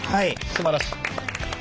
すばらしい。